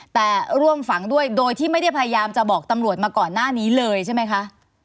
แต่ร่วมฝังด้วยโดยที่ไม่ได้พยายามจะบอกตำรวจมาก่อนหน้านี้เลยใช่ไหมคะ